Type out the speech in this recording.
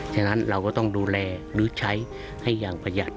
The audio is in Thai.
ฉะนั้นเราก็ต้องดูแลหรือใช้ให้อย่างประหยัด